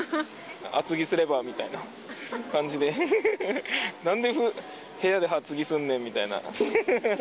厚着すればみたいな感じで、なんで部屋で厚着すんねんみたいな。